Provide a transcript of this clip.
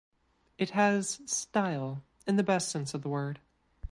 It has style in the best sense of the word.